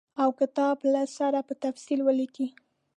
او کتاب له سره په تفصیل ولیکي.